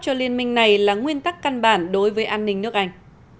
cho liên minh này là nguyên tắc căn bản đối với an ninh nước anh